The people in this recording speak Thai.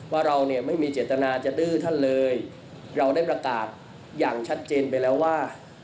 ว่าเราเนี่ยไม่มีเจตนาจะดื้อท่านเลยเราได้ประกาศอย่างชัดเจนไปแล้วว่า